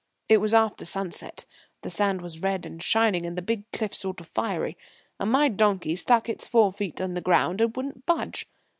It was after sunset. The sand was red and shining, and the big cliffs sort of fiery. And my donkey stuck its four feet in the ground and wouldn't budge.